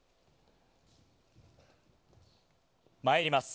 まいります。